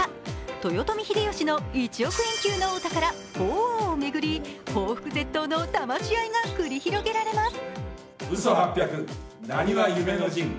豊臣秀吉の１億円級のお宝・鳳凰を巡り、抱腹絶倒のだまし合いが繰り広げられます。